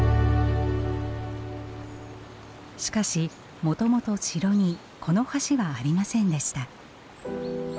しかしもともと城にこの橋はありませんでした。